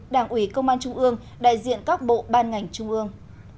đảng ủy công an trung ương đại diện các bộ ban ngành trung ương